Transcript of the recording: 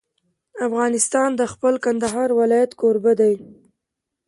افغانستان د خپل کندهار ولایت کوربه دی.